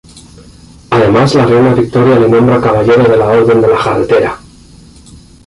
Además la reina Victoria le nombra caballero de la Orden de la Jarretera.